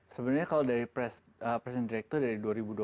sebenarnya kalau dari presiden direktur dari dua ribu dua puluh